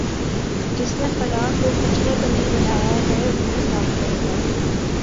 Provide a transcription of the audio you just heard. جس نے خلاکو کچرا کنڈی بنایا ہے وہی صاف کرے گا